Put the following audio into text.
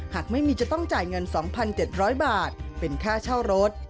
หากไม่มีจะต้องจ่ายเงิน๒๗๐๐บาทเป็นค่าเช่ารถ